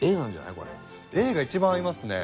Ａが一番合いますね。